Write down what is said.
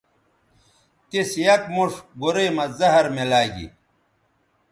تِس یک موݜ گورئ مہ زہر میلاگی